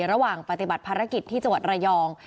ระหว่างปฏิบัติภารกิจที่จังหวัดระยอง